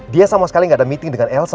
dia sama sekali gak bisa berbohong sama elsa